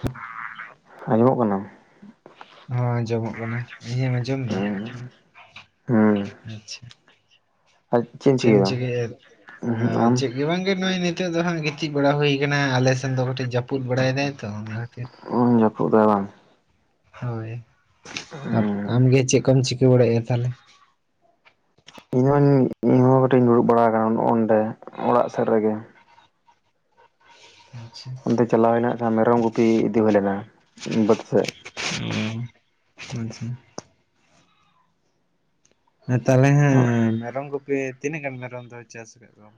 ᱦ [inaudible] ᱟᱸᱡᱚᱢᱚᱜ ᱠᱟᱱᱟ? ᱦᱚᱸ ᱟᱸᱡᱚᱢᱚᱜ ᱠᱟᱱᱟ, ᱤᱧᱟᱜ ᱮᱢ ᱟᱸᱡᱚᱢ ᱮᱫᱟ? ᱦᱮᱸ ᱦᱮᱸ ᱟᱪᱪᱷᱟ ᱾ ᱪᱮᱫ ᱮᱢ ᱪᱮᱠᱟᱭᱫᱟ? ᱚ ᱟᱢ ᱪᱮᱫ ᱜᱮ ᱵᱟᱝᱜᱮ ᱱᱚᱼᱚᱭ ᱱᱮ ᱛᱚᱜ ᱫᱚ ᱦᱟᱸᱜ ᱜᱤᱛᱤᱡ ᱵᱟᱲᱟ ᱦᱩᱭ ᱟᱠᱟᱱᱟ ᱟᱞᱮᱥᱮᱱ ᱫᱚ ᱠᱟᱹᱴᱤᱡ ᱡᱟᱹᱯᱩᱫ ᱵᱟᱲᱟᱭ ᱫᱟᱭ ᱛᱚ, ᱚᱱᱟ ᱠᱷᱟᱹᱛᱤᱨ ᱚ ᱡᱟᱹᱯᱩᱫ ᱫᱟᱭ ᱵᱟᱝ ᱾ ᱦᱳᱭ, ᱟᱯ-ᱟᱢᱜᱮ ᱪᱮᱫ ᱠᱚᱢ ᱪᱤᱠᱟᱹ ᱵᱟᱲᱟᱭᱮᱫᱼᱟ ᱛᱟᱦᱚᱞᱮ? ᱤᱧ ᱦᱚᱧ ᱤᱧ ᱦᱚᱸ ᱠᱟᱹᱴᱤᱡ ᱤᱧ ᱫᱩᱲᱩᱵ ᱵᱟᱲᱟ ᱟᱠᱟᱱᱟ ᱱᱚᱜᱼᱚᱸᱰᱮ ᱚᱲᱟᱜ ᱥᱮᱫ ᱨᱮᱜᱮ ᱾ ᱟᱪᱪᱷᱟ ᱾ ᱚᱱᱛᱮ ᱪᱟᱞᱟᱣ ᱦᱩᱭᱱᱟ ᱠᱷᱟᱱ ᱢᱮᱨᱚᱢ ᱜᱩᱯᱤ ᱤᱫᱤ ᱦᱩᱭ ᱞᱮᱱᱟ ᱵᱟᱹᱫᱽ ᱥᱮᱡ ᱾ ᱚ, ᱟᱪᱪᱷᱟ ᱾ ᱦᱮᱸ ᱛᱟᱦᱚᱞᱮ ᱦᱟᱸᱜ ᱢᱮᱨᱚᱢ ᱜᱩᱯᱤ ᱛᱤᱱᱟᱹᱜ ᱜᱟᱱ ᱢᱮᱨᱚᱢ ᱫᱚ ᱪᱟᱥ ᱟᱠᱟᱫ ᱠᱚᱣᱟᱢ?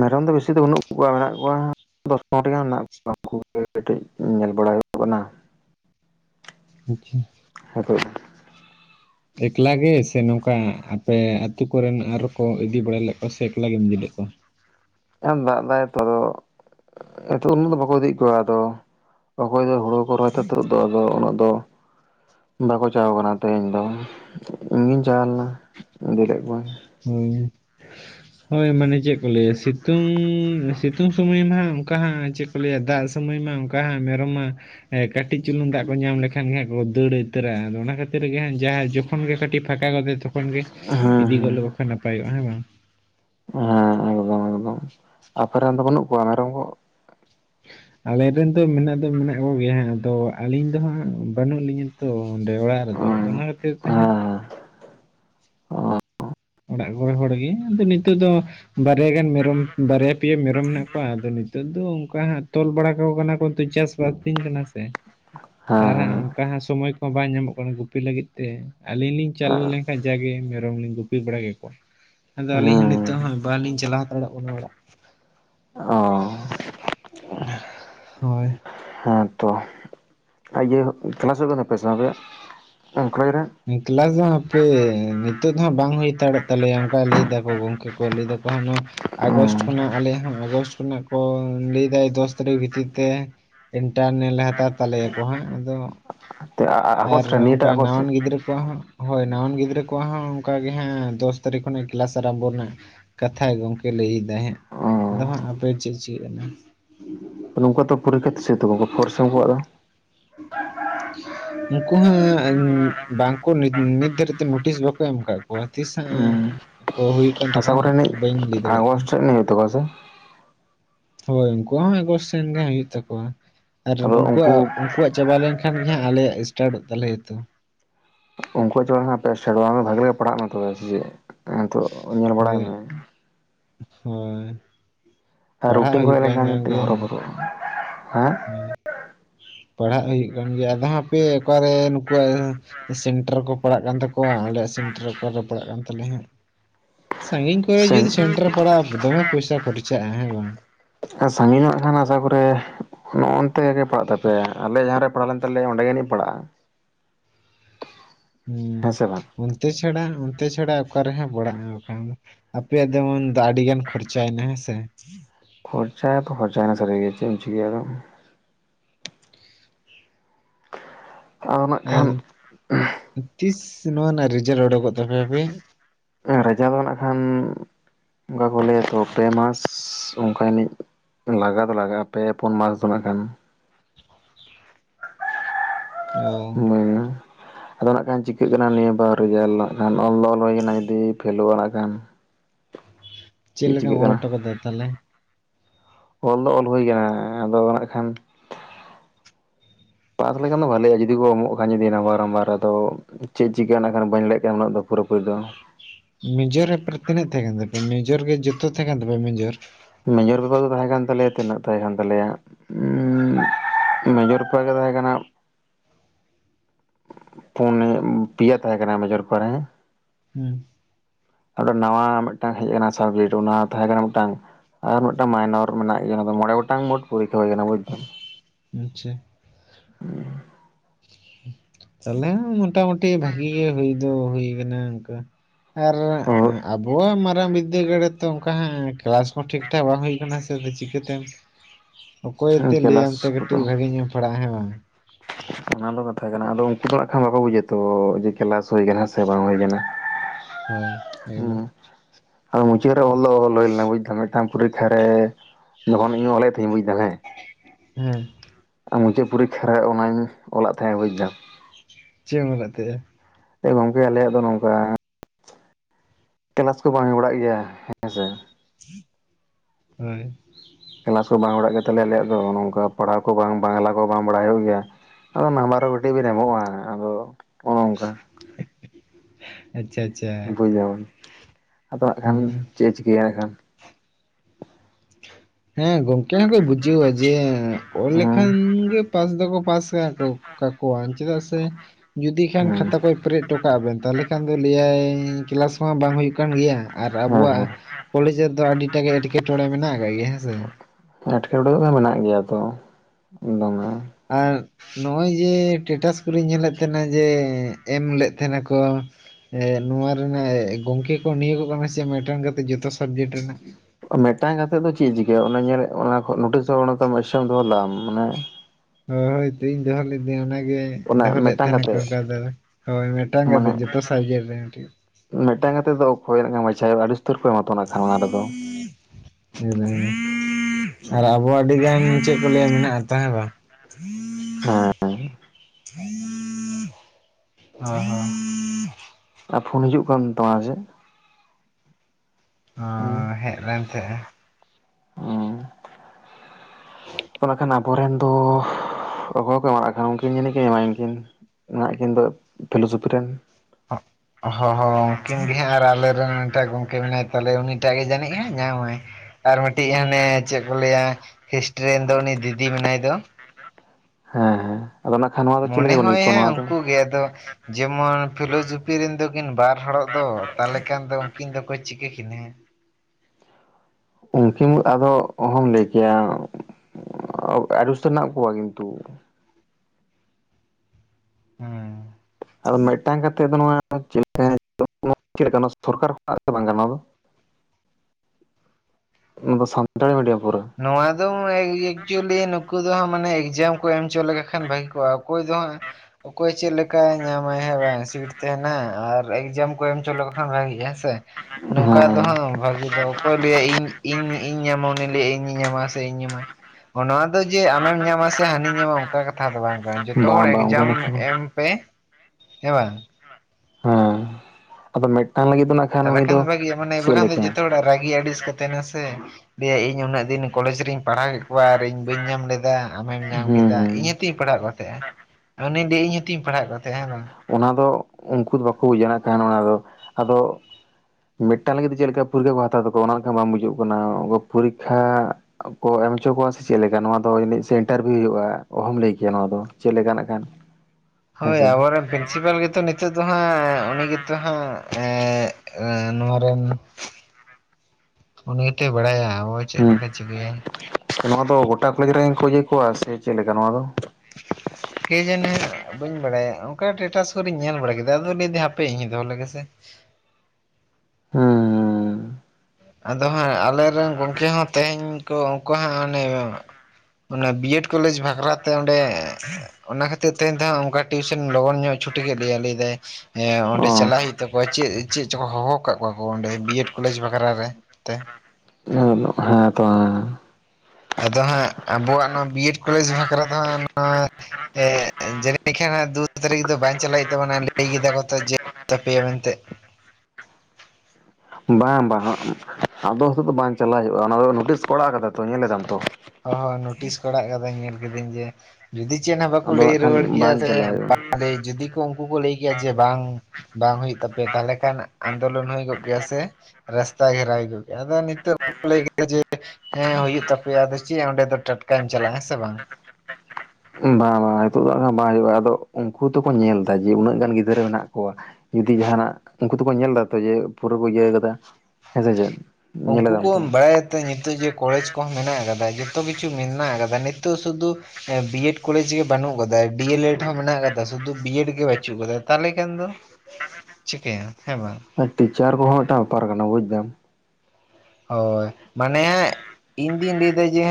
ᱢᱮᱨᱚᱢ ᱫᱚ ᱵᱮᱥᱤ ᱫᱚ ᱵᱟᱹᱱᱩᱜ ᱠᱚᱣᱟ, ᱢᱮᱱᱟᱜ ᱠᱚᱣᱟ ᱫᱚᱥ ᱯᱚᱱᱨᱚᱴᱤ ᱜᱟᱱ ᱢᱮᱱᱟᱜ ᱠᱚᱣᱟ, ᱚᱝᱠᱩ ᱜᱤ ᱠᱟᱹᱴᱤᱡ ᱧᱮᱞ ᱵᱟᱲᱟ ᱦᱩᱭᱩᱜ ᱠᱟᱱᱟ ᱾ ᱟᱪᱪᱷᱟ ᱾ ᱦᱮᱸ ᱛᱚ ᱾ ᱮᱠᱞᱟ ᱜᱮ ᱥᱮ ᱱᱚᱝᱠᱟ ᱟᱯᱮ ᱟᱹᱛᱩ ᱠᱚᱨᱮᱱ ᱟᱨᱚ ᱠᱚ ᱤᱫᱤ ᱵᱟᱲᱟ ᱞᱮᱫ ᱠᱚᱣᱟ ᱥᱮ ᱮᱠᱞᱟ ᱜᱮᱢ ᱤᱫᱤᱞᱮᱫ ᱠᱚᱣᱟ? ᱟᱨ ᱫᱟᱜ ᱫᱟᱭ ᱛᱚ ᱟᱫᱚ ᱦᱮᱛᱚᱜ ᱩᱱᱟᱹᱜ ᱫᱚ ᱵᱟᱠᱚ ᱤᱫᱤᱭᱮᱜ ᱠᱚᱣᱟ ᱟᱫᱚ ᱚᱠᱚᱭ ᱫᱚ ᱦᱳᱲᱳ ᱨᱚᱭ ᱛᱚ ᱛᱳᱫ ᱛᱚ ᱟᱫᱚ ᱩᱱᱟᱹᱜ ᱫᱚ ᱵᱟᱠᱚ ᱪᱟᱣ ᱠᱟᱱᱟ ᱛᱮᱦᱮᱧ ᱫᱚ, ᱤᱧ ᱜᱤᱧ ᱪᱟᱣ ᱞᱮᱱᱟ ᱤᱫᱤ ᱞᱮᱫ ᱠᱚᱣᱟᱹᱧ ᱾ ᱦᱳᱭ ᱾ ᱦᱳᱭ ᱢᱟᱱᱮ ᱪᱮᱫ ᱠᱚ ᱞᱟᱹᱭᱟ ᱥᱤᱛᱩᱝ ᱥᱤᱛᱩᱝ ᱥᱚᱢᱚᱭ ᱢᱟ ᱦᱟᱸᱜ ᱚᱝᱠᱟ ᱦᱟᱸᱜ ᱪᱮᱫ ᱠᱚ ᱞᱟᱹᱭᱟ ᱫᱟᱜ ᱥᱚᱢᱚᱭ ᱢᱟ ᱚᱝᱠᱟ ᱢᱮᱨᱚᱢ ᱢᱟ ᱮ ᱠᱟᱹᱴᱤᱡ ᱪᱩᱞᱩᱝ ᱫᱟᱜ ᱠᱚ ᱧᱟᱢ ᱞᱮᱠᱷᱟᱱ ᱜᱮ ᱦᱟᱸᱜ ᱠᱚ ᱫᱟᱹᱲ ᱩᱛᱟᱹᱨᱟ, ᱟᱫᱚ ᱚᱱᱟ ᱠᱷᱟᱹᱛᱤᱨ ᱜᱮ ᱦᱟᱸᱜ ᱡᱟᱦᱟᱸ ᱡᱚ ᱠᱷᱚᱱ ᱜᱮ ᱠᱟᱹᱴᱤᱡ ᱯᱷᱟᱸᱠᱟ ᱜᱚᱫᱮ ᱛᱚᱠᱷᱚᱱ ᱜᱮ ᱦᱮᱸ ᱤᱫᱤ ᱜᱚᱫ ᱞᱮᱠᱚ ᱠᱷᱟᱱ ᱱᱟᱯᱟᱭᱚᱜᱼᱟ ᱦᱮᱸ ᱵᱟᱝ! ᱦᱮᱸ ᱦᱮᱸ ᱮᱠᱫᱚᱢ ᱮᱠᱫᱚᱢ ᱾ ᱟᱯᱮᱨᱮᱱ ᱫᱚ ᱵᱟᱹᱱᱩᱜ ᱠᱚᱣᱟ ᱢᱮᱨᱚᱢ ᱠᱚ? ᱟᱞᱮᱨᱮᱱ ᱫᱚ ᱢᱮᱱᱟᱜ ᱫᱚ ᱢᱮᱱᱟᱜ ᱠᱚᱜᱮᱭᱟ ᱦᱟᱸᱜ ᱟᱫᱚ ᱟᱹᱞᱤᱧ ᱫᱚ ᱦᱟᱸᱜ ᱵᱟᱹᱱᱩᱜ ᱞᱤᱧᱟᱹ ᱛᱚ ᱚᱸᱰᱮ ᱚᱲᱟᱜ ᱨᱮᱫᱚ ᱟᱫᱚ ᱦᱮᱸ ᱚᱱᱟ ᱠᱷᱟᱹᱛᱤᱨ ᱛᱮ ᱦᱟᱸᱜ ᱦᱮᱸ ᱦᱮᱸ ᱚᱲᱟᱜ ᱠᱚᱨᱮ ᱦᱚᱲ ᱜᱮ ᱟᱫ ᱱᱤᱛᱚᱜ ᱫᱚ ᱵᱟᱨᱭᱟ ᱜᱟᱱ ᱢᱮᱨᱚᱢ ᱵᱟᱨᱭᱟ ᱯᱮᱭᱟ ᱢᱮᱨᱚᱢ ᱢᱮᱱᱟᱜ ᱠᱚᱣᱟ ᱟᱫᱚ ᱱᱤᱛᱚᱜ ᱫᱚ ᱚᱱᱠᱟ ᱦᱟᱜ ᱛᱚᱞ ᱵᱟᱲᱟ ᱠᱟᱠᱚ ᱠᱟᱱᱟ ᱠᱚᱛ ᱪᱟᱥ ᱟᱛᱤᱧ ᱠᱟᱱᱟ ᱥᱮ ᱟᱨ ᱦᱟᱸᱜ ᱚᱱᱠᱟ ᱦᱟᱸᱜ ᱥᱚᱢᱚᱭ ᱠᱚᱦᱚᱸ ᱵᱟᱝ ᱧᱟᱢᱚᱜ ᱠᱟᱱᱟ ᱜᱩᱯᱤ ᱞᱟᱹᱜᱤᱫ ᱛᱮ᱾ ᱟᱹᱞᱤᱧ ᱞᱤᱧ ᱪᱟᱞᱟᱣ ᱞᱮᱱᱠᱷᱟᱱ ᱡᱟᱜᱮ ᱢᱮᱨᱚᱢ ᱞᱤᱧ ᱜᱩᱯᱤ ᱯᱤ ᱵᱟᱲᱟ ᱠᱮ ᱠᱚᱣᱟ ᱟᱫᱚ ᱦᱮᱸ ᱟᱹᱞᱤᱧ ᱦᱚᱸ ᱦᱮᱸ ᱱᱤᱛᱚᱜ ᱦᱚᱸ ᱵᱟᱞᱤᱧ ᱪᱟᱞᱟᱣ ᱦᱟᱛᱟᱲᱚᱜ ᱠᱟᱱᱟ ᱚᱲᱟᱜ᱾ ᱚ ᱦᱳᱭ᱾ ᱦᱮᱸ ᱛᱚ᱾ ᱠᱮᱞᱟᱥ ᱦᱩᱭᱩᱜ ᱠᱟᱱ ᱛᱟᱯᱮᱭᱟ ᱟᱞᱮᱭᱟᱜ ᱠᱚᱞᱮᱡ ᱨᱮ? ᱠᱞᱟᱥ ᱫᱚ ᱦᱟᱯᱮ ᱱᱤᱛᱳ ᱫᱚ ᱦᱟᱸᱜ ᱵᱟᱝ ᱦᱩᱭ ᱦᱟᱛᱟᱲᱚᱜ ᱛᱟᱞᱮᱭᱟ ᱚᱱᱠᱟᱭ ᱞᱟᱹᱭ ᱫᱟᱠᱚ ᱜᱚᱢᱠᱮ ᱠᱚ ᱞᱟᱹᱭ ᱫᱟᱠᱚ ᱦᱟᱸᱜ ᱱᱚᱜᱼᱚᱭ᱾ ᱟᱜᱚᱥᱴ ᱠᱷᱚᱱᱟᱜ ᱟᱞᱮ ᱦᱚᱸ ᱟᱜᱚᱥᱴ ᱠᱷᱚᱱᱟᱜ ᱠᱚ ᱞᱟᱹᱭᱫᱟᱭ ᱫᱚᱥ ᱛᱟᱹᱨᱤᱠᱷ ᱵᱷᱤᱛᱤᱨ ᱛᱮ᱾ ᱤᱱᱴᱟᱨᱱᱮᱞ ᱞᱮ ᱦᱟᱛᱟᱣ ᱛᱟᱞᱮᱭᱟᱠᱚ ᱦᱟᱸᱜ ᱟᱫᱚ᱾ ᱟᱨ ᱟᱜᱚᱥᱴ ᱨᱮ ᱚᱱᱠᱟ ᱱᱤᱭᱟᱹᱴᱟᱜ ᱟᱜᱚᱥᱴ ᱨᱮ? ᱱᱟᱣᱟᱱ ᱜᱤᱫᱽᱨᱟᱹ ᱠᱚᱣᱟᱜ ᱦᱚᱸ᱾ ᱦᱳᱭ ᱱᱟᱣᱟᱱ ᱜᱤᱫᱽᱨᱟᱹ ᱠᱚᱣᱟᱜ ᱦᱚᱸ ᱚᱱᱠᱟᱟᱜ ᱜᱮ ᱦᱮᱸ ᱫᱚᱥ ᱛᱟᱹᱨᱤᱠᱷ ᱠᱷᱚᱱᱟᱜ ᱠᱮᱞᱟᱥ ᱟᱨᱟᱢᱵᱚ ᱨᱮᱱᱟᱜ ᱠᱟᱛᱷᱟᱭ ᱜᱚᱢᱠᱮ ᱞᱟᱹᱭᱫᱟᱭ ᱦᱟᱸᱜ ᱟᱫᱚ ᱦᱟᱸᱜ ᱟᱯᱮ ᱪᱮᱫ ᱪᱤᱠᱟᱹᱜ ᱠᱟᱱᱟ᱾ ᱱᱚᱝᱠᱟ ᱛᱚ ᱯᱚᱨᱤᱠᱠᱷᱟ ᱛᱤᱥ ᱦᱩᱭᱩᱜ ᱛᱟᱭᱟ ᱯᱷᱚᱨ ᱥᱮᱢ ᱠᱚᱣᱟᱜ ᱫᱚ? ᱩᱱᱠᱩ ᱦᱚᱸᱜ ᱵᱟᱝᱠᱚ ᱱᱤᱛ ᱫᱷᱟᱹᱨᱤᱡᱛᱮ ᱱᱳᱴᱤᱥ ᱵᱟᱠᱚ ᱮᱢ ᱟᱠᱟᱫ ᱠᱚᱣᱟ ᱛᱤᱥ ᱦᱟᱸ ᱦᱩᱸ ᱠᱚ ᱦᱩᱭᱩᱜ ᱠᱟᱱ ᱟᱥᱟ ᱛᱟᱠᱚᱣᱟ ᱠᱚᱨᱮ ᱦᱟᱸᱜ ᱡᱟᱹᱱᱤᱡ ᱵᱟᱹᱧ ᱞᱟᱹᱭ ᱫᱟᱲᱮᱭᱟᱜ ᱠᱟᱱᱟ᱾ [unintelligible] ᱦᱳᱭ ᱩᱱᱠᱩᱣᱟᱜ ᱦᱚᱸ ᱟᱜᱚᱥ ᱥᱮᱱ ᱜᱮ ᱦᱩᱭᱩᱜ ᱛᱟᱠᱚᱣᱟ ᱟᱨ ᱟᱫᱚ ᱩᱱᱠᱩᱣᱟᱜ ᱩᱱᱠᱩ ᱩᱱᱠᱚᱣᱟᱜ ᱪᱟᱵᱟ ᱞᱮᱱ ᱠᱷᱟᱱ ᱜᱮ ᱦᱟᱸᱜ ᱟᱞᱮᱭᱟᱜ ᱥᱴᱟᱴᱚᱜ ᱛᱟᱞᱮᱭᱟ ᱛᱚ᱾ ᱩᱱᱠᱩᱣᱟᱜ ᱪᱟᱵᱟ ᱟᱯᱮᱭᱟᱜ ᱮᱥᱴᱟᱴᱚᱜ-ᱟ ᱵᱷᱟᱜᱮ ᱞᱮᱠᱟ ᱯᱟᱲᱦᱟᱜ ᱢᱮ ᱛᱚᱵᱮ ᱥᱮ ᱪᱮᱫ ᱱᱤᱛᱚᱜ ᱧᱮᱞ ᱵᱟᱲᱟᱭ ᱦᱳᱭ ᱢᱮ᱾ ᱦᱳᱭ᱾ ᱟᱨ ᱯᱟᱲᱦᱟᱜ ᱨᱩᱴᱤᱱ ᱠᱚ ᱦᱩᱭᱩᱜ ᱦᱮᱡ ᱠᱟᱱ ᱞᱮᱱᱠᱷᱟᱱ ᱠᱟᱱ ᱜᱮᱭᱟ ᱦᱚᱨᱚ ᱵᱚᱨᱜ-ᱟ ᱦᱮᱸ᱾ ᱦᱳᱭ ᱯᱟᱲᱦᱟᱜ ᱦᱩᱭᱩᱜ ᱠᱟᱱ ᱜᱮᱭᱟ ᱟᱫᱚ ᱦᱟᱯᱮ ᱚᱠᱟᱨᱮ ᱱᱩᱠᱩᱣᱟᱜ ᱥᱮᱱᱴᱟᱨ ᱠᱚ ᱯᱟᱲᱟᱜ ᱠᱟᱱ ᱛᱟᱠᱚᱣᱟ ᱟᱞᱮᱭᱟᱜ ᱥᱮᱱᱴᱟᱨ ᱚᱠᱟᱨᱮ ᱯᱟᱲᱟᱜ ᱠᱟᱱ ᱛᱟᱞᱮᱭᱟ ᱦᱟᱜ᱾ ᱥᱟᱺᱜᱤᱧ ᱠᱚᱨᱮ ᱥᱮ ᱡᱩᱫᱤ ᱥᱮᱱᱴᱟᱨ ᱯᱟᱲᱟᱜᱼᱟ ᱫᱚᱢᱮ ᱯᱚᱭᱥᱟ ᱠᱷᱚᱨᱪᱟᱜᱼᱟ ᱦᱮᱸ ᱵᱟᱝ? ᱥᱟᱺᱜᱤᱧ ᱧᱚᱜ ᱠᱷᱟᱱ ᱟᱥᱟ ᱠᱚᱨᱮ ᱱᱚᱜᱼᱚ ᱚᱱᱛᱮ ᱜᱮ ᱯᱟᱲᱟᱜ ᱛᱟᱯᱮᱭᱟ ᱟᱞᱮ ᱡᱟᱦᱟᱸ ᱨᱮ ᱯᱟᱲᱟᱣ ᱞᱮᱱ ᱛᱟᱞᱮᱭᱟ ᱚᱰᱮ ᱜᱮ ᱡᱟᱹᱱᱤᱡ ᱯᱟᱲᱟᱜᱼᱟ᱾ ᱦᱩᱸ ᱦᱮᱸ ᱥᱮ ᱵᱟᱝ ᱚᱱᱛᱮ ᱪᱷᱟᱲᱟ ᱚᱱᱛᱮ ᱪᱷᱟᱲᱟ ᱚᱠᱟ ᱨᱮᱦᱚᱸ ᱯᱟᱲᱟᱜᱼᱟ ᱵᱟᱠᱦᱟᱱ᱾ ᱟᱯᱮᱭᱟᱜ ᱡᱮᱢᱚᱱ ᱟᱹᱰᱤ ᱜᱟᱱ ᱠᱷᱚᱨᱪᱟᱭᱮᱱᱟ ᱦᱮᱸ ᱥᱮ? ᱠᱷᱚᱨᱪᱟ ᱛᱚ ᱠᱷᱚᱨᱪᱟᱭᱱᱟ ᱥᱟᱹᱨᱤ ᱜᱮ ᱪᱮᱫ ᱮᱢ ᱪᱤᱠᱟᱹᱭᱟ᱾ ᱟᱫᱚ ᱱᱟᱜ ᱟᱨ ᱠᱷᱟᱱ ᱛᱤᱥ ᱱᱚᱣᱟ ᱨᱮᱱᱟᱜ ᱨᱮᱡᱟᱞᱴ ᱩᱰᱩᱠᱚᱜ ᱛᱟᱯᱮᱭᱟ ᱟᱯᱮᱭᱟᱜ? ᱨᱟᱡᱟ ᱫᱚ ᱱᱟᱜ ᱠᱷᱟᱱ ᱟᱞᱮ ᱫᱚᱚ ᱯᱮ ᱢᱟᱥ ᱚᱱᱠᱟ ᱮᱱᱤᱡ ᱞᱟᱜᱟ ᱫᱚ ᱞᱟᱜᱟᱜᱼᱟ ᱯᱮ ᱯᱩᱱ ᱢᱟᱥ ᱫᱚ ᱱᱟᱜ ᱠᱷᱟᱱ᱾ ᱚ ᱟᱫᱚ ᱱᱟᱜ ᱠᱷᱟᱱ ᱪᱤᱠᱟᱹᱜ ᱠᱟᱱᱟ ᱱᱤᱭᱟᱹ ᱵᱟᱨ ᱨᱮᱡᱟᱞᱴ ᱠᱷᱟᱱ ᱚᱞ ᱫᱚ ᱚᱞ ᱦᱩᱭ ᱠᱟᱱᱟ ᱡᱩᱫᱤ ᱯᱷᱮᱞᱳ-ᱟ ᱱᱟᱠᱷᱟᱱ᱾ ᱪᱮᱫ ᱞᱮᱠᱟᱢ ᱚᱞ ᱠᱟᱱᱟ ᱦᱚᱴᱚ ᱠᱟᱫᱟ ᱛᱟᱦᱚᱞᱮ? ᱚᱞ ᱫᱚ ᱚᱞ ᱦᱩᱭ ᱟᱠᱟᱱᱟ ᱟᱫᱚ ᱱᱟᱜ ᱠᱷᱟᱱ ᱯᱟᱥ ᱞᱮᱠᱷᱟᱱ ᱫᱚ ᱵᱷᱷᱟᱞᱜᱼᱟ ᱡᱩᱫᱤ ᱠᱚ ᱮᱢᱚᱜ ᱠᱷᱟᱱ ᱡᱩᱫᱤ ᱱᱟᱢᱵᱟᱨ ᱱᱟᱢᱵᱟᱨ ᱟᱫᱚ ᱪᱮᱫ ᱪᱤᱠᱟᱹ-ᱟ ᱱᱟᱜᱠᱷᱟᱱ ᱵᱟᱹᱧ ᱞᱟᱹᱭ ᱫᱟᱲᱮᱭᱟᱜ ᱠᱟᱱᱟ ᱩᱱᱟᱹᱜ ᱫᱚ ᱯᱩᱨᱟᱹᱯᱩᱨᱤ ᱫᱚ᱾ ᱢᱮᱡᱚᱨ ᱨᱮ ᱛᱤᱱᱟᱹᱜ ᱛᱟᱦᱮᱸ ᱠᱟᱱ ᱛᱟᱯᱮᱭᱟ ᱢᱮᱡᱚᱨ ᱜᱮ ᱡᱚᱛᱚ ᱛᱟᱦᱮᱸ ᱠᱟᱱ ᱛᱟᱯᱮᱭᱟ ᱢᱮᱡᱚᱨ? ᱢᱮᱡᱚᱨ ᱯᱮᱯᱟᱨ ᱫᱟ ᱛᱟᱦᱮ ᱠᱟᱱ ᱛᱟᱞᱮᱭᱟ ᱛᱤᱱᱟᱹᱜ ᱛᱟᱦᱮ ᱠᱟᱱ ᱛᱟᱦᱮ ᱠᱟᱱ ᱛᱟᱞᱮᱭᱟ ᱩᱸᱜ ᱢᱮᱡᱚᱨ ᱯᱮᱯᱟᱨ ᱜᱮ ᱛᱟᱦᱮ ᱠᱟᱱᱟ᱾ ᱯᱩᱱᱮ ᱯᱤᱭᱟ ᱛᱟᱦᱮᱸ ᱠᱟᱱᱟ ᱢᱮᱡᱚᱨ ᱯᱮᱯᱟᱨ ᱨᱮ᱾ ᱦᱩᱸ, ᱚᱸᱰᱮ ᱱᱟᱣᱟ ᱢᱤᱜᱴᱟᱝ ᱦᱮᱜ ᱠᱟᱱᱟ ᱥᱟᱵᱽᱡᱮᱠᱴ ᱚᱱᱟ ᱛᱟᱦᱮᱸ ᱠᱟᱱᱟ ᱢᱤᱜᱴᱟᱝ᱾ ᱟᱨ ᱢᱤᱜᱴᱟᱝ ᱢᱟᱭᱱᱚᱨ ᱢᱮᱱᱟᱜ ᱜᱮᱭᱟ ᱚᱱᱟ ᱫᱚ ᱢᱚᱬᱮ ᱜᱚᱴᱟᱝ ᱢᱳᱴ ᱯᱚᱨᱤᱠᱠᱷᱟ ᱦᱩᱭ ᱠᱟᱱᱟ ᱵᱩᱡᱽᱫᱟᱢ᱾ ᱟᱪᱪᱷᱟ, [unintelligible] ᱛᱟᱦᱚᱞᱮ ᱦᱟᱸᱜ ᱢᱳᱴᱟᱢᱩᱴᱤ ᱵᱷᱟᱹᱜᱤ ᱜᱮ ᱦᱩᱭ ᱫᱚ ᱦᱩᱭ ᱠᱟᱱᱟ ᱚᱝᱠᱟ᱾ ᱟᱨ ᱟᱸ ᱟᱵᱚᱣᱟᱜ ᱢᱟᱨᱟᱝ ᱵᱤᱫᱽ ᱫᱟᱹᱜᱟᱲ ᱛᱚ ᱚᱱᱠᱟ ᱦᱟᱸᱜ ᱠᱮᱞᱟᱥ ᱠᱚ ᱴᱷᱤᱠ ᱴᱷᱟᱠ ᱵᱟᱝ ᱦᱩᱭᱩᱜ ᱠᱟᱱᱟ ᱥᱮ ᱟᱫᱚ ᱪᱤᱠᱟᱹᱛᱮᱢ ᱚᱠᱚᱭᱛᱮ ᱞᱟᱹᱭᱟᱢᱛᱮ ᱠᱮᱞᱟᱥ ᱠᱟᱹᱴᱤᱜ ᱠᱚᱫᱚ ᱵᱷᱟᱹᱜᱤ ᱧᱚᱜ ᱮᱢ ᱯᱟᱲᱟᱜᱼᱟ ᱦᱮᱸ ᱵᱟᱝ᱾ ᱚᱱᱟ ᱫᱚ ᱠᱟᱛᱷᱟ ᱠᱟᱱᱟ ᱟᱫᱚ ᱩᱱᱠᱩ ᱫᱚ ᱦᱟᱸᱜ ᱠᱷᱟᱱ ᱵᱟᱠᱚ ᱵᱩᱡᱟ ᱛᱚ ᱡᱮ ᱠᱮᱞᱟᱥ ᱦᱩᱭ ᱠᱟᱱᱟ ᱥᱮ ᱵᱟᱝ ᱦᱩᱭ ᱞᱮᱱᱟ᱾ ᱦᱳᱭ ᱮᱠᱫᱚᱢ, ᱟᱫᱚ ᱢᱩᱪᱟᱹᱜ ᱨᱮ ᱚᱞ ᱫᱚ ᱚᱞ ᱦᱩᱭ ᱞᱮᱱᱟ ᱵᱩᱡᱽ ᱫᱟᱢ ᱢᱤᱜᱴᱟᱝ ᱯᱚᱨᱤᱠᱠᱷᱟ ᱨᱮ ᱡᱚᱠᱷᱚᱱᱤᱧ ᱚᱞᱮᱫ ᱛᱟᱦᱮᱸᱜ ᱤᱧ ᱵᱩᱡᱽ ᱫᱟᱢ ᱦᱮᱸ᱾ ᱦᱮᱸ᱾ ᱟᱨ ᱢᱩᱪᱟᱹᱜ ᱯᱚᱨᱤᱠᱠᱷᱟ ᱨᱮ ᱚᱱᱟᱧ ᱚᱞᱟᱫ ᱛᱟᱦᱮᱸᱜ ᱵᱩᱡᱽ ᱫᱟᱢ᱾ ᱪᱮᱜ ᱮᱢ ᱚᱞᱮᱜ ᱛᱟᱦᱮᱸᱜ-ᱟ? ᱪᱮᱜ ᱜᱚᱝᱠᱮ ᱟᱞᱮᱭᱟᱜ ᱫᱚ ᱱᱚᱝᱠᱟ ᱠᱮᱞᱟᱥ ᱠᱚ ᱵᱟᱝ ᱦᱩᱭ ᱵᱟᱲᱟᱜ ᱜᱮᱭᱟ ᱦᱮᱸ ᱥᱮ᱾ ᱦᱳᱭ, ᱠᱮᱞᱟᱥ ᱠᱚ ᱵᱟᱝ ᱦᱩᱭ ᱵᱟᱲᱟᱜ ᱜᱮ ᱛᱟᱞᱮᱭᱟ ᱟᱞᱮᱭᱟᱜ ᱫᱚ ᱱᱚᱝᱠᱟ ᱯᱟᱲᱦᱟᱣ ᱠᱚ ᱵᱟᱝ ᱵᱟᱝᱞᱟ ᱠᱚ ᱵᱟᱝ ᱵᱟᱲᱟᱭ ᱦᱩᱭᱩᱜ ᱜᱮᱭᱟ᱾ ᱟᱫᱚ ᱱᱟᱢᱵᱟᱨ ᱠᱚ ᱠᱟᱹᱴᱤᱜ ᱵᱤᱱ ᱮᱢᱚᱜᱼᱟ ᱟᱫᱚ ᱚᱝᱠᱟ᱾ ᱟᱪᱪᱷᱟ ᱟᱪᱪᱷᱟ᱾ ᱡᱮᱢᱚᱱ ᱟᱫᱚ ᱦᱟᱸᱜ ᱠᱷᱟᱱ ᱦᱩᱸ ᱪᱮᱜ ᱮ ᱪᱤᱠᱟᱹᱭᱟ ᱠᱷᱟᱱ᱾ ᱦᱮᱸ ᱜᱚᱝᱠᱮ ᱦᱚᱸᱠᱚ ᱵᱩᱡᱷᱟᱹᱣᱟ ᱡᱮ ᱚᱞ ᱦᱮᱸ ᱞᱮᱠᱷᱟᱱ ᱜᱮ ᱯᱟᱥ ᱫᱚᱠᱚ ᱯᱟᱥ ᱠᱟᱠᱚ ᱠᱟᱠᱚᱣᱟ ᱪᱮᱫᱟᱜ ᱥᱮ ᱡᱩᱫᱤ ᱠᱷᱟᱱ ᱦᱮᱸ ᱠᱷᱟᱛᱟ ᱠᱚᱭ ᱯᱮᱨᱮᱡ ᱴᱚ ᱠᱟᱜ ᱟᱵᱮᱱ ᱛᱟᱦᱚᱞᱮ ᱠᱷᱟᱱ ᱫᱚ ᱞᱟᱹᱭᱟᱭ ᱠᱮᱞᱟᱥ ᱢᱟ ᱵᱟᱝ ᱦᱩᱭᱩᱜ ᱠᱟᱱ ᱜᱮᱭᱟ᱾ ᱟᱨ ᱦᱮᱸ ᱟᱵᱚᱣᱟᱜ ᱦᱮᱸ ᱠᱚᱞᱮᱡᱽ ᱨᱮᱫᱚ ᱟᱹᱰᱤᱴᱟ ᱜᱮ ᱮᱴᱠᱮᱴᱚᱬᱮ ᱢᱮᱱᱟᱜ ᱠᱟᱜ ᱜᱮᱭᱟ ᱦᱮᱸ ᱮᱴᱠᱮᱴᱚᱬᱮ ᱫᱚ ᱢᱮᱱᱟᱜ ᱜᱮᱭᱟ ᱛᱚ ᱫᱚᱢᱮ, ᱟᱨ ᱱᱚᱜᱼᱚᱭ ᱡᱮ ᱴᱮᱴᱟᱥ ᱠᱚᱨᱮᱧ ᱧᱮᱞᱮᱫ ᱛᱟᱦᱮᱸᱱᱟ ᱡᱮ ᱮᱢ ᱞᱮᱫ ᱛᱟᱦᱮᱸ ᱱᱟᱠᱚ᱾ ᱮᱫ ᱱᱚᱣᱟ ᱨᱮᱱᱟᱜ ᱜᱝᱢᱠᱮ ᱠᱚ ᱱᱤᱭᱳᱜᱚᱜ ᱠᱟᱱᱟ ᱥᱮ ᱪᱮᱫ ᱢᱮᱜᱴᱟᱝ ᱠᱟᱛᱮᱜ ᱡᱚᱛᱚ ᱥᱟᱵᱡᱮᱠᱴ ᱨᱮᱱᱟᱜ ᱢᱤᱜᱴᱟᱝ ᱠᱟᱛᱮᱜ ᱫᱚ ᱪᱮᱫ ᱮ ᱪᱤᱠᱟᱹᱭᱟ ᱚᱱᱟ ᱧᱮᱞ ᱚᱱᱟ ᱠᱷᱚᱭ ᱱᱳᱴᱤᱥ ᱦᱚᱸ [unintelligible] ᱫᱚᱦᱚᱸ ᱞᱮᱫᱟᱢ ᱢᱟᱱᱮ, ᱦᱳᱭ ᱛᱤᱦᱤᱧ ᱫᱚᱦᱟᱸᱜ ᱞᱟᱭᱫᱟᱹᱧ ᱚᱱᱟᱜᱮ ᱚᱱᱟ ᱫᱚᱦᱚ ᱞᱮᱫ ᱢᱤᱫᱴᱟᱝ ᱛᱟᱦᱮᱸ ᱱᱟᱠᱚ ᱠᱟᱛᱮᱫ ᱚᱱᱠᱟ ᱫᱚ ᱦᱳᱭ ᱢᱤᱜᱴᱟᱝ ᱠᱟᱛᱮᱜ ᱡᱚᱛᱚ ᱥᱟᱵᱽᱡᱮᱠᱴ ᱨᱮ ᱢᱤᱫᱴᱤᱜ᱾ ᱢᱤᱜᱴᱟᱝ ᱠᱟᱛᱮᱜ ᱫᱚ ᱚᱠᱚᱭ ᱱᱟᱜ ᱠᱷᱟᱱᱮᱢ [unintelligible] ᱟᱹᱰᱤ ᱩᱛᱟᱹᱨ ᱠᱚ ᱮᱢᱟ ᱛᱚ ᱠᱷᱟᱱ ᱚᱱᱟ ᱨᱮᱫᱚ᱾ ᱦᱮᱸ [unintelligible] ᱟᱨ ᱟᱵᱚ ᱟᱹᱰᱤᱜᱟᱱ ᱪᱮᱜ ᱠᱚ ᱞᱟᱹᱭᱟ ᱢᱮᱱᱟᱜ-ᱟ ᱛᱚ ᱦᱮᱸ ᱵᱟᱝ? ᱦᱮᱸ᱾ ᱦᱳᱭ ᱦᱳᱭ᱾ ᱟ ᱯᱷᱳᱱ ᱦᱤᱡᱩᱜ ᱠᱟᱱ ᱛᱟᱢᱟ ᱡᱮ? ᱟᱸ ᱦᱮᱜ ᱞᱮᱱ ᱛᱟᱦᱮᱸᱜᱼᱟ᱾ ᱚᱸᱻ ᱛᱚ ᱱᱟᱜ ᱠᱷᱟᱱ ᱟᱵᱚᱨᱮᱱ ᱫᱚ ᱚᱠᱚᱭ ᱠᱚ ᱮᱢᱟ ᱦᱟᱸᱜ ᱠᱷᱟᱱ ᱩᱱᱠᱤᱱ ᱡᱟᱹᱱᱤᱡ ᱠᱤᱱ ᱮᱢᱟ ᱤᱱᱠᱤᱱ᱾ ᱢᱮᱱᱟᱜ ᱠᱤᱱ ᱫᱚ ᱯᱷᱮᱞᱳᱥᱳᱯᱷᱤ ᱨᱮᱱ, ᱦᱚᱸ, ᱦᱚ ᱦᱚ ᱩᱱᱠᱤᱱ ᱜᱮ ᱦᱟᱸᱜ ᱟᱨ ᱟᱞᱮᱨᱮᱱ ᱢᱤᱜᱴᱟᱜ ᱜᱚᱝᱠᱮ ᱢᱮᱱᱟᱭ ᱛᱟᱞᱮᱭᱟ ᱩᱱᱤᱴᱟᱜ ᱜᱮ ᱡᱟᱹᱱᱤᱡ ᱮ ᱧᱟᱢᱟᱭ ᱾ ᱟᱨ ᱢᱤᱜᱜᱴᱤᱹᱮᱡ ᱦᱟᱱᱮ ᱪᱮᱜ ᱠᱚ ᱞᱟᱹᱭᱟ ᱦᱤᱥᱴᱨᱤ ᱨᱮᱱ ᱫᱚ ᱩᱱᱤ ᱫᱤᱫᱤ ᱢᱮᱱᱟᱭ ᱫᱚ᱾ ᱦᱮᱸ ᱦᱮᱸ ᱟᱫᱚ ᱱᱟᱜ ᱠᱷᱟᱱ ᱱᱚᱣᱟ ᱫᱚ ᱪᱮᱫ ᱞᱮᱠᱟ ᱠᱚ ᱱᱤᱭᱳᱜᱽ ᱠᱚᱣᱟ ᱱᱚᱣᱟ ᱫᱚ? ᱠᱮ ᱟᱫᱚ ᱾ ᱡᱮᱢᱚᱱ ᱯᱷᱤᱞᱳᱡᱳᱯᱷᱤ ᱨᱮᱱ ᱫᱚᱠᱤᱱ ᱵᱟᱨ ᱦᱚᱲᱚᱜ ᱫᱚ ᱛᱟᱦᱚᱞᱮ ᱠᱷᱟᱱ ᱫᱚ ᱩᱱᱠᱤᱱ ᱫᱚᱠᱚ ᱪᱤᱠᱟᱹ ᱠᱤᱱᱟᱹ? ᱩᱱᱠᱤᱱ ᱟᱫᱚ ᱚᱦᱚᱢ ᱞᱟᱹᱭ ᱠᱮᱭᱟ ᱟᱹᱰᱤ [unintelligible] ᱦᱮᱱᱟᱜ ᱠᱚᱣᱟ ᱠᱤᱱᱛᱩ ᱾ ᱦᱮᱸ ᱟᱨ ᱢᱤᱫᱴᱟᱝ ᱠᱟᱛᱮᱫ ᱫᱚ ᱱᱚᱣᱟᱮᱫ ᱪᱮᱫ [unintelligible] ᱥᱚᱨᱠᱟᱨ ᱠᱚᱣᱟᱜ ᱵᱟᱝ ᱠᱟᱱᱟ ᱱᱚᱣᱟ ᱫᱚ? ᱱᱚᱣᱟ ᱫᱚ ᱥᱟᱱᱛᱟᱲᱤ ᱢᱤᱰᱤᱭᱚ ᱠᱚᱨᱮ᱾ ᱱᱚᱣᱟ ᱫᱚ ᱮᱠᱪᱩᱭᱮᱞᱤ ᱱᱩᱠᱩ ᱫᱚ ᱦᱟᱸᱜ ᱢᱟᱱᱮ ᱮᱠᱡᱟᱢ ᱠᱚ ᱮᱢ ᱪᱚ ᱞᱮ ᱠᱷᱟᱱ ᱵᱷᱟᱜᱤ ᱠᱚᱜᱼᱟ ᱾ ᱚᱠᱚᱭ ᱫᱚ ᱦᱟᱸᱜ ᱚᱠᱚᱭ ᱪᱮᱫᱞᱮᱠᱟᱭ ᱧᱟᱢᱟᱭ ᱦᱟᱜ ᱵᱟᱝ ᱥᱤᱴ ᱛᱟᱦᱮᱱᱟ ᱟᱨ ᱮᱠᱡᱟᱢ ᱠᱚ ᱮᱢ ᱪᱚ ᱞᱮᱠᱟᱱ ᱵᱷᱟᱹᱜᱤᱼᱟ ᱦᱮᱸ ᱥᱮ? ᱱᱚᱝᱠᱟ ᱫᱚ ᱦᱮᱸ ᱦᱟᱜ ᱵᱷᱟᱜᱤ ᱫᱚ ᱚᱠᱚᱭ ᱞᱟᱹᱭᱟ ᱤᱧ ᱤᱧ ᱤᱧ ᱮᱢᱚᱱ ᱞᱟᱹᱭᱟᱹᱧ ᱤᱧ᱾ ᱤᱧ ᱮᱢᱟ ᱥᱮ ᱤᱧ ᱧᱟᱢᱟ ᱱᱚᱣᱟ ᱫᱚ ᱡᱮ ᱟᱢᱮᱢ ᱧᱟᱢᱟ ᱥᱮ ᱦᱟᱹᱱᱤᱧ ᱧᱟᱢᱟ ᱚᱱᱠᱟ ᱠᱟᱛᱷᱟ ᱫᱚ ᱵᱟᱝ᱾ ᱡᱚᱛᱚ ᱦᱚᱲ ᱵᱟᱝ ᱵᱟᱝ ᱚᱱᱠᱟ ᱮᱠᱡᱟᱢ ᱠᱟᱛᱷᱟ ᱫᱚ ᱮᱢ ᱯᱮ᱾ ᱦᱮᱸ ᱵᱟᱝ? ᱦᱮᱸ ᱟᱫᱚ ᱢᱤᱫᱴᱟᱝ ᱞᱟᱹᱜᱤᱫ ᱫᱚ ᱱᱟ ᱛᱚᱵᱮ ᱠᱷᱟᱱ ᱵᱷᱟᱹᱜᱮ ᱮᱢᱚᱱ ᱮᱵᱚᱦᱟᱱ ᱡᱚᱛᱚ ᱦᱚᱲᱟᱜ ᱨᱟᱹᱜᱤ ᱟᱹᱲᱤᱥ ᱠᱟᱛ ᱛᱮᱦᱮᱱᱟ ᱥᱮ ᱮᱭᱟᱹ ᱤᱧ ᱩᱱᱟᱹᱜ ᱫᱤᱱ ᱠᱚᱞᱮᱡ ᱨᱤᱧ ᱯᱟᱲᱦᱟᱣ ᱮᱫ ᱠᱚᱣᱟ ᱟᱨ ᱤᱧ ᱵᱟᱹᱧ ᱧᱟᱢ ᱞᱮᱫᱟ᱾ ᱟᱢᱮᱢ ᱧᱟᱢ ᱦᱩᱸ ᱠᱮᱫᱟ ᱤᱧ ᱦᱩᱸ ᱦᱚᱛᱚᱧ ᱯᱟᱲᱦᱟᱣᱮᱜ ᱠᱚ ᱛᱟᱦᱮᱸᱼᱟ ᱩᱱᱤᱭ ᱞᱟᱹᱭᱟ ᱤᱧ ᱦᱚᱛᱚᱧ ᱯᱟᱲᱦᱟᱜᱮᱜ ᱠᱚ ᱛᱟᱦᱮᱸᱜᱼᱟ᱾ ᱦᱮ ᱵᱟᱝ? ᱚᱱᱟ ᱫᱚ ᱩᱱᱠᱩ ᱫᱚ ᱵᱟᱠᱚ ᱵᱩᱡᱟᱹᱨᱟ ᱛᱟᱦᱮᱱ ᱚᱱᱟ ᱫᱚ ᱟᱫᱚ ᱢᱤᱫᱴᱟᱝ ᱞᱟᱹᱜᱤᱫ ᱛᱮ ᱪᱮᱫ ᱞᱮᱠᱟ ᱯᱚᱨᱤᱠᱠᱷᱟ ᱠᱚ ᱦᱟᱛᱟᱣ ᱛᱟᱠᱚᱣᱟ ᱚᱱᱟ ᱞᱮᱠᱟᱱ ᱵᱟᱝ ᱵᱩᱡᱩᱜ ᱠᱟᱱᱟ ᱯᱚᱨᱤᱠᱠᱷᱟ ᱠᱚ ᱮᱢ ᱦᱚᱪᱚ ᱠᱚᱣᱟ ᱥᱮ ᱪᱮᱫ ᱞᱮᱠᱟ ᱱᱚᱣᱟ ᱫᱚ ᱤᱱᱤᱡ ᱥᱮᱱᱴᱟᱨ ᱜᱤ ᱦᱩᱭᱩᱜᱼᱟ ᱚᱦᱚᱢ ᱞᱟᱹᱭ ᱠᱮᱭᱟ ᱱᱚᱣᱟ ᱫᱚ ᱪᱮᱫ ᱞᱮᱠᱟ ᱱᱟᱜ ᱠᱷᱟᱱ᱾ [inaudible] ᱦᱳᱭ ᱟᱵᱟᱨᱮᱱ ᱯᱨᱤᱱᱥᱤᱯᱟᱞ ᱜᱮᱛᱚ ᱱᱤᱛᱳ ᱫᱚᱭ ᱛᱚ ᱦᱟᱸᱜ ᱩᱱᱤ ᱜᱮᱛᱚ ᱦᱟᱸᱜ ᱮᱜᱻ ᱱᱚᱣᱟ ᱨᱮᱱ ᱩᱱᱤᱛᱚᱭ ᱵᱟᱲᱟᱭᱟ ᱟᱵᱩ ᱪᱮᱫ ᱦᱩᱸ ᱞᱮᱠᱟ ᱪᱤᱠᱟᱹᱭᱟ? ᱱᱚᱣᱟ ᱫᱚ ᱜᱳᱴᱟ ᱠᱚᱞᱮᱡᱽ ᱨᱮᱱ ᱜᱤᱞᱚ ᱤᱭᱟᱹ ᱠᱚᱣᱟ ᱥᱮ ᱪᱮᱫ ᱞᱮᱠᱟ ᱱᱚᱣᱟ ᱫᱚ? ᱠᱮᱡᱟᱱᱮ ᱵᱟᱹᱧ ᱵᱟᱲᱟᱭᱟ ᱚᱱᱠᱟ ᱥᱴᱮᱴᱟᱥ ᱥᱳᱨᱤᱧ ᱧᱮᱞ ᱵᱟᱲᱟ ᱠᱮᱫᱟ ᱟᱫᱚ ᱞᱟᱹᱭ ᱫᱟ ᱦᱟᱯᱮ ᱤᱧ ᱫᱚᱦᱚ ᱞᱮᱜᱮ ᱥᱮ᱾ ᱦᱩᱸᱻ ᱟᱫᱚ ᱦᱟᱸᱜ ᱟᱞᱮᱨᱮᱱ ᱜᱚᱢᱠᱮ ᱦᱚᱸ ᱛᱮᱦᱮᱧ ᱠᱚ ᱩᱱᱠᱩ ᱦᱟᱸᱜ ᱚᱱᱮ ᱚᱱᱮ ᱵᱤ-ᱮᱰ ᱠᱚᱞᱮᱡᱽ ᱵᱟᱠᱷᱨᱟ ᱛᱮ ᱚᱸᱰᱮ ᱮᱸᱻ ᱚᱱᱟ ᱠᱷᱟᱹᱛᱤᱨ ᱛᱤᱦᱤᱧ ᱫᱚ ᱦᱟᱜ ᱚᱝᱠᱟ ᱴᱤᱭᱩᱥᱚᱱ ᱞᱚᱜᱚᱱ ᱧᱚᱜ ᱪᱷᱩᱴᱤ ᱠᱮᱫ ᱞᱮᱭᱟ ᱞᱟᱹᱭᱫᱟᱭ᱾ ᱦᱮᱻ ᱚᱸᱰᱮ ᱪᱟᱞᱟᱜ ᱦᱩᱭᱩᱜ ᱛᱟᱠᱚᱣᱟ ᱪᱮᱫ ᱪᱮᱫ ᱪᱚᱠᱚ ᱦᱚᱦᱚᱣᱟ ᱟᱠᱟᱜ ᱠᱚᱣᱟ ᱠᱚ ᱚᱸᱰᱮ ᱵᱤᱭ-ᱮᱰ ᱠᱚᱞᱮᱡ ᱵᱟᱠᱷᱨᱟ ᱨᱮ᱾ ᱛᱮ ᱦᱮᱸ [inaudible] ᱛᱚ ᱦᱟᱜᱻ ᱟᱫᱚ ᱦᱟᱸᱜ ᱟᱵᱚᱣᱟᱜ ᱱᱚᱣᱟ ᱵᱤ-ᱮᱰ ᱠᱚᱞᱮᱡᱽ ᱵᱟᱠᱷᱨᱟ ᱫᱚ ᱦᱟᱸᱜ ᱱᱚᱜ-ᱚᱭ ᱡᱟᱹᱱᱤᱡ ᱠᱷᱟᱱ ᱫᱩ ᱛᱟᱹᱨᱤᱠᱷ ᱫᱚ ᱵᱟᱝ ᱪᱟᱞᱟᱜ ᱤᱧᱫᱚ ᱢᱟᱱᱮ ᱞᱟᱹᱭ ᱠᱮᱫᱟ ᱠᱚ ᱛᱚ ᱡᱮ -ᱛᱯᱮᱭᱟ ᱢᱮᱱᱛᱮ᱾ ᱵᱟᱝ ᱵᱟᱝ ᱟᱫᱚ ᱚᱱᱛᱮ ᱫᱚ ᱵᱟᱝ ᱪᱟᱞᱟᱜ ᱦᱩᱭᱩᱜᱼᱟ ᱚᱱᱟ ᱫᱚ ᱱᱳᱴᱤᱥ ᱠᱚ ᱟᱲᱟᱜ ᱠᱟᱫᱟ ᱛᱚ ᱧᱮᱞᱫᱟᱢ ᱛᱚ᱾ ᱚ ᱦᱚᱸ ᱱᱳᱴᱤᱥ ᱠᱚ ᱟᱲᱟᱜ ᱠᱟᱫᱟ ᱧᱮᱞ ᱠᱮᱫᱟᱹᱧ ᱡᱮ ᱡᱩᱫᱤ ᱪᱮᱫ ᱦᱚᱸ ᱵᱟᱠᱚ ᱟᱫᱚ ᱞᱟᱹᱭ ᱦᱟᱸᱜ ᱠᱷᱟᱱ ᱨᱩᱣᱟᱹᱲ ᱠᱮᱭᱟ ᱵᱟᱝ ᱥᱮ ᱪᱟᱞᱟᱜ [unintelligible] ᱟᱞᱮ ᱡᱩᱫᱤ ᱠᱚ ᱩᱱᱠᱩ ᱠᱚ ᱞᱟᱹᱭ ᱠᱮᱭᱟ ᱡᱮ ᱵᱟᱝ ᱵᱟᱝ ᱦᱩᱭᱩᱜ ᱛᱟᱯᱮ ᱛᱟᱦᱞᱮ ᱠᱷᱟᱱ ᱟᱱᱫᱳᱞᱚᱱ ᱦᱚᱭ ᱠᱚᱜ ᱠᱮᱭᱟ ᱥᱮ ᱨᱟᱥᱛᱟ ᱜᱷᱮᱨᱟᱣ ᱦᱳᱭ ᱠᱚᱜ ᱜᱮᱭᱟ ᱟᱫᱚ ᱱᱤᱛᱚᱜ [inaudible] ᱞᱟᱹᱭ ᱠᱮᱫᱟ ᱡᱮ ᱦᱮᱸ ᱦᱩᱭᱩᱜ ᱛᱟᱯᱮᱭᱟ ᱟᱫᱚ ᱪᱮᱫ ᱚᱸᱰᱮ ᱫᱚ ᱴᱟᱴᱠᱟᱢ ᱪᱟᱞᱟᱜᱼᱟ ᱦᱮᱸ ᱥᱮ ᱵᱟᱝ? ᱵᱟᱝ ᱵᱟᱝ ᱱᱤᱛᱚᱜ ᱫᱚ ᱵᱟᱝ ᱦᱩᱭᱩ-ᱟ ᱟᱫᱚ ᱩᱱᱠᱩ ᱫᱚᱠᱚ ᱧᱮᱞᱫᱟ ᱡᱮ ᱩᱱᱟᱹᱜ ᱜᱟᱱ ᱜᱤᱫᱽᱨᱟᱹ ᱢᱮᱱᱟᱜ ᱠᱚᱣᱟ᱾ ᱡᱩᱫᱤ ᱡᱟᱦᱟᱱᱟᱜ ᱩᱱᱠᱩ ᱫᱚᱠᱚ ᱧᱮᱞ ᱫᱟ ᱡᱮ ᱯᱩᱨᱟᱹ ᱠᱚ ᱤᱭᱟᱹ ᱠᱟᱫᱟ᱾ ᱦᱮᱸ ᱥᱮ ᱪᱮᱫ? ᱧᱮᱞ ᱫᱟᱢ ᱛᱚ᱾ ᱛᱮ ᱱᱤᱛᱚᱜ ᱡᱮ ᱠᱚᱞᱮᱡᱽ ᱠᱚᱦᱚᱸ ᱢᱮᱱᱟᱜ ᱟᱠᱟᱫᱟ ᱡᱚᱛᱚ ᱠᱤᱪᱷᱩ ᱢᱮᱱᱟᱜ ᱟᱠᱟᱫᱟ ᱱᱤᱛᱚᱜ ᱥᱩᱫᱩ ᱵᱤᱭᱮᱰ ᱠᱚᱞᱮᱡᱽ ᱜᱮ ᱵᱟᱹᱱᱩᱜ ᱠᱟᱫᱟ, ᱰᱤ ᱮᱞ ᱮᱰ ᱦᱚᱸ ᱢᱮᱱᱟᱜ ᱠᱟᱫᱟ ᱥᱩᱫᱷᱩ ᱵᱤᱭᱮᱰ ᱜᱮ ᱵᱟᱹᱪᱩᱜ ᱠᱟᱫᱟ ᱛᱟᱦᱞᱮ ᱠᱷᱟᱱ ᱫᱚ ᱪᱤᱠᱟᱹᱭᱟ ᱦᱮᱸ ᱵᱟ? ᱟᱨ ᱴᱤᱪᱟᱨ ᱠᱚᱦᱚᱸ ᱢᱤᱫᱴᱟ ᱵᱮᱯᱟᱨ ᱠᱟᱱᱟ ᱵᱩᱡᱽᱫᱟᱢ᱾ ᱦᱳᱭ, ᱢᱟᱱᱮ ᱦᱟᱸᱜ᱾ ᱤᱧ ᱫᱩᱧ ᱞᱟᱹᱭᱫᱟ ᱡᱮᱻ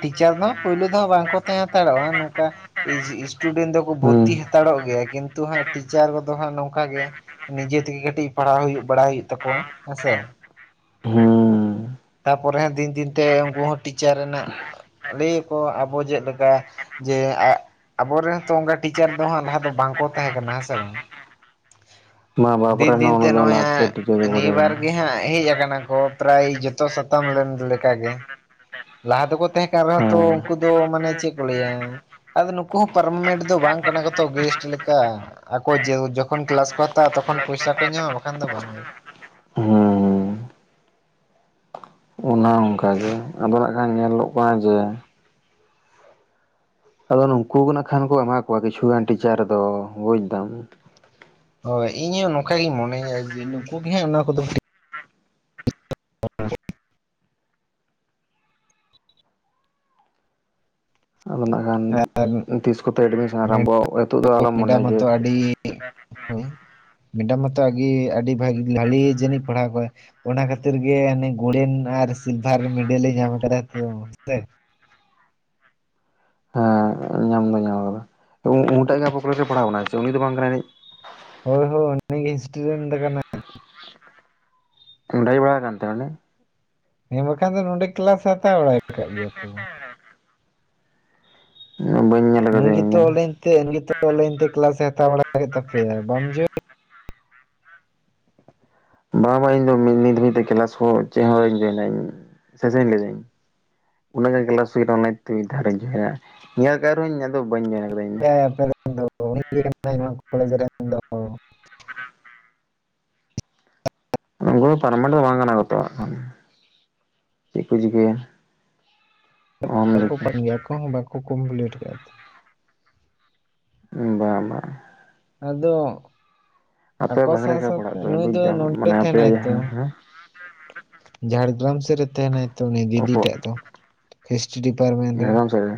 ᱴᱤᱪᱟᱨ ᱫᱚ ᱯᱳᱭᱞᱳ ᱫᱚᱦ ᱵᱟᱝᱠᱚ ᱛᱟᱦᱮᱸ ᱦᱟᱛᱟᱲᱚᱜ-ᱟ ᱱᱚᱝᱠᱟ ᱤᱡᱤ, ᱤᱥᱴᱩᱰᱮᱱᱴ ᱫᱚᱠᱚ ᱵᱷᱚᱨᱛᱤ ᱦᱩᱸ ᱦᱟᱛᱟᱲᱚᱜ ᱜᱮᱭᱟ ᱦᱟᱸᱜ, ᱠᱤᱱᱛᱩ ᱦᱟᱸᱜ ᱴᱤᱪᱟᱨ ᱠᱚᱫᱚ ᱦᱟᱸᱜ ᱱᱚᱝᱠᱟ ᱜᱮ ᱱᱤᱡᱮ ᱛᱮᱜᱮ ᱠᱟᱹᱴᱤᱡ, ᱯᱟᱲᱦᱟᱣ ᱦᱩᱭᱩᱜ ᱵᱟᱲᱟᱭ ᱦᱩᱭᱩᱜ ᱛᱟᱠᱚᱣᱟ ᱦᱮᱸ ᱥᱮ᱾ ᱦᱩᱸ ᱛᱟᱨᱯᱚᱨᱮ ᱦᱚᱸ ᱫᱤᱱ ᱫᱤᱱ ᱛᱮ ᱩᱱᱠᱩ ᱦᱚᱸ ᱴᱤᱪᱟᱨ ᱨᱮᱱᱟᱜ ᱞᱟᱹᱭᱟᱠᱚ ᱟᱵᱚ ᱪᱮᱫ ᱞᱮᱠᱟ ᱡᱮ ᱟᱵᱚᱨᱮᱱ ᱛᱚ ᱚᱝᱠᱟ ᱴᱤᱪᱟᱨ ᱫᱚ ᱦᱟᱸᱜ ᱞᱟᱦᱟ ᱫᱚ ᱵᱟᱝᱠᱚ ᱛᱟᱦᱮᱸ ᱠᱟᱱᱟ ᱦᱮᱸ ᱥᱮ ᱵᱟᱝ᱾ ᱫᱤᱱ ᱫᱤᱱᱛᱮ ᱱᱚᱜ-ᱚᱭ ᱦᱟᱸᱜ ᱱᱤᱭᱟᱹ ᱵᱟᱨ ᱜᱮ ᱦᱟᱸᱜ ᱦᱮᱡᱽ ᱠᱟᱱᱟ ᱠᱚ᱾ ᱯᱨᱟᱭ ᱡᱚᱛᱚ ᱥᱟᱛᱟᱢ ᱞᱮᱱ ᱞᱮᱠᱟ ᱜᱮ᱾ ᱞᱟᱦᱟ ᱫᱚᱠᱚ ᱛᱮᱦᱮᱸ ᱠᱟᱱ ᱨᱮᱦᱚᱸ ᱛᱚ ᱩᱝᱠᱩ ᱫᱚ ᱢᱟᱱᱮ ᱪᱮᱫ ᱠᱚ ᱞᱟᱹᱭᱟ? ᱟᱫᱚ ᱱᱩᱠᱩ ᱦᱚᱸ ᱯᱟᱨᱢᱮᱴ ᱫᱚ ᱵᱟᱝ ᱠᱟᱱᱟ ᱠᱚᱛᱚ ᱜᱮᱥᱴ ᱞᱮᱠᱟ ᱟᱠᱚ ᱡᱟᱹᱣ ᱡᱚ ᱛᱚᱠᱷᱚᱱ ᱠᱞᱟᱥ ᱠᱚ ᱦᱟᱛᱟᱣᱟ ᱛᱚᱠᱷᱚᱱ ᱯᱚᱭᱥᱟ ᱠᱚ ᱧᱟᱢᱟ ᱵᱟᱠᱷᱟᱱ ᱫᱚ ᱵᱟᱝᱜᱮ᱾ ᱦᱮᱸ ᱚᱱᱮ ᱚᱝᱠᱟ᱾ [inaudible] ᱟᱫᱚ ᱱᱟᱜ ᱠᱷᱟᱱ ᱧᱮᱞᱚᱜ ᱠᱟᱱᱟ ᱡᱮ ᱟᱫᱚ ᱱᱩᱠᱩ ᱜᱮ ᱱᱟᱜ ᱠᱷᱟᱱ ᱠᱚ ᱮᱢᱟ ᱠᱚᱣᱟ ᱠᱤᱪᱷᱩ ᱜᱟᱱ ᱴᱤᱪᱟᱨ ᱫᱚ ᱵᱩᱡᱽᱫᱟᱢ᱾ ᱦᱳᱭ, ᱤᱧᱦᱚᱸ ᱱᱚᱝᱠᱟᱜᱤᱧ ᱢᱚᱱᱮᱭᱟ ᱡᱮ ᱱᱩᱠᱩ ᱜᱮ ᱦᱟᱸᱜ ᱚᱱᱟ ᱠᱚᱫᱚ ᱟᱫᱚ ᱱᱟᱜ ᱠᱷᱟᱱ ᱟᱨ [unintelligible] ᱛᱤᱥ ᱠᱚᱛᱮ ᱮᱰᱢᱤᱥᱚᱱ ᱟᱨᱚᱢᱵᱚᱜ-ᱟ? ᱦᱤᱛᱳᱜ ᱫᱚ ᱟᱞᱚᱢ ᱢᱚᱱᱮᱭᱟ ᱢᱮᱰᱟᱢ ᱡᱮ ᱢᱟᱛᱚ ᱟᱹᱰᱤ ᱦᱳᱭ, ᱢᱮᱰᱟᱢ ᱢᱟᱛᱚ ᱟᱜ ᱜᱮ ᱟᱹᱰᱤ ᱵᱷᱟᱜᱽ, ᱵᱷᱟᱹᱞᱤ ᱡᱟᱹᱱᱤᱡ ᱯᱟᱲᱦᱟᱣ ᱠᱚᱣᱟᱭ᱾ ᱚᱱᱟ ᱠᱷᱟᱹᱛᱤᱨ ᱜᱮ ᱚᱱᱮ ᱜᱳᱲᱮᱱ ᱟᱨ ᱥᱤᱞᱵᱷᱟᱨ ᱢᱮᱰᱮᱞᱮ ᱧᱟᱢ ᱠᱟᱫᱟᱭ ᱛᱚ [unintelligible] ᱦᱮᱸ ᱧᱟᱢ ᱫᱚ ᱧᱟᱢ ᱟᱠᱟᱫᱟ᱾ ᱛᱚ, ᱩᱱᱤᱴᱟᱜ ᱜᱮ ᱟᱵᱚ ᱨᱮ ᱯᱟᱲᱦᱟᱣ ᱠᱟᱱᱟᱭ ᱥᱮ ᱩᱱᱤ ᱫᱚ ᱵᱟᱝ ᱠᱟᱱᱟᱭ ᱡᱟᱹᱱᱤᱡ? ᱦᱳᱭ ᱭ, ᱚᱱᱟᱜᱤᱧ ᱥᱴᱩᱰᱮᱱᱴ ᱠᱟᱱᱟ᱾ ᱰᱟᱭ ᱵᱟᱲᱟ ᱠᱟᱱ ᱛᱟᱦᱞᱮ? ᱦᱮᱸ ᱵᱟᱠᱷᱟᱱ ᱫᱚ ᱱᱚᱸᱰᱮ ᱠᱞᱟᱥ ᱦᱟᱛᱟᱣ ᱵᱟᱲᱟᱭ ᱟᱠᱟᱫ ᱜᱮᱭᱟ ᱛᱚ᱾ ᱵᱟᱹᱧ ᱧᱮᱞ ᱱᱩᱭ ᱠᱟᱫᱮᱭᱟ ᱤᱧ ᱜᱮᱛᱚ ᱫᱚ ᱚᱱᱞᱟᱭᱤᱱ ᱛᱮ, ᱱᱩᱭ ᱜᱮᱛᱚ ᱚᱱᱞᱟᱭᱤᱱ ᱛᱮ ᱠᱞᱟᱥᱮ ᱦᱟᱛᱟᱣ ᱵᱟᱲᱟ ᱠᱮᱫ ᱛᱟᱯᱮᱭᱟ ᱵᱟᱢ ᱡᱚᱭᱮᱱ ᱵᱟ ᱵᱟ ᱤᱧ ᱫᱚ ᱢᱤᱫ ᱧᱤᱫᱟᱹ [unintelligible] ᱠᱮᱞᱟᱥ ᱠᱚ ᱪᱮᱫ ᱦᱚᱸ ᱟᱹᱣᱨᱤᱧ ᱡᱚᱭᱱᱟ ᱤᱧ, ᱥᱚᱡᱷᱮᱧ ᱞᱮᱭᱫᱟ ᱤᱧ᱾ ᱩᱱᱟᱹᱜ ᱜᱟᱱ ᱠᱞᱟᱥ ᱦᱩᱭᱱᱟ ᱚᱱᱞᱟᱭᱤᱱ ᱛᱮ, ᱢᱤᱫ ᱫᱷᱟᱨᱤᱧ ᱡᱚᱭᱮᱱᱟ ᱧᱮᱞ ᱠᱟᱜ ᱨᱮᱦᱚᱸᱧ ᱟᱫᱚ ᱵᱟᱹᱧ ᱡᱚᱭᱮᱱ ᱟᱠᱟᱫᱟ᱾ ᱟᱯᱮ ᱠᱟᱭᱟ ᱵᱮᱪ ᱫᱚ, ᱩᱱᱤ ᱜᱮ ᱠᱟᱱᱟᱭᱮ ᱱᱚᱣᱟ ᱠᱚᱞᱮᱡᱽ ᱨᱮᱱ ᱫᱚ᱾ ᱱᱩᱝᱠᱩ ᱯᱟᱨᱢᱮᱴ ᱫᱚ ᱵᱟᱝ ᱠᱟᱱᱟᱛᱚ ᱮᱠᱷᱚᱱ᱾ ᱪᱮᱜ ᱠᱚ ᱪᱤᱠᱟᱹᱭᱟ? ᱚᱦᱚᱢ ᱞᱟᱹᱭ ᱟᱠᱚ ᱠᱮᱭᱟ ᱠᱟᱱ ᱜᱮᱭᱟ ᱠᱚ, ᱵᱟᱠᱚ ᱠᱚᱢᱯᱞᱤᱴ ᱠᱟᱜ-ᱟ ᱛᱚ᱾ ᱵᱟ ᱵᱟ᱾ ᱟᱫᱚ ᱟᱯᱮ ᱟᱠᱚ ᱵᱷᱟᱜᱮ ᱥᱟᱶ ᱞᱮᱠᱟ ᱯᱟᱲᱦᱟᱜ ᱥᱟᱶᱛᱮ ᱯᱮ ᱱᱩᱭ ᱵᱩᱡᱽ ᱫᱚ ᱫᱟᱢ ᱱᱚᱸᱰᱮ ᱢᱟᱱᱮ ᱟᱯᱮᱭᱟᱜ ᱛᱟᱸᱦᱮᱱᱟᱭ ᱛᱚ᱾ ᱡᱟᱦᱟᱸ ᱦᱮᱸ ᱡᱷᱟᱲᱜᱨᱟᱢ ᱥᱮᱫ ᱨᱮ ᱛᱟᱸᱦᱮᱱᱟᱭ ᱛᱚ, ᱩᱱᱤ ᱫᱤᱫᱤ ᱚᱠᱚ ᱴᱟᱜ ᱫᱚ ᱦᱤᱥᱴᱨᱤ ᱰᱤᱯᱟᱨᱢᱮᱱᱴ ᱨᱮᱱ᱾ ᱡᱷᱟᱲᱜᱨᱟᱢ ᱥᱮᱫ ᱨᱮ